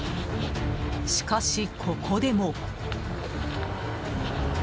しかし、ここでも。